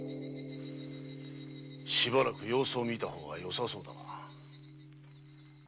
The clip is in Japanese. しばらく様子を見たほうがよさそうだな。